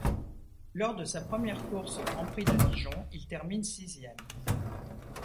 Lors de sa première course au Grand Prix de Dijon, il termine sixième.